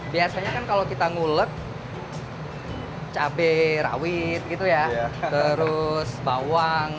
biasanya kan kalau kita ngulek cabai rawit gitu ya terus bawang